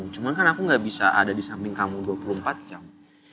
cuman kan aku gak bisa ada disamping kamu dua puluh empat jam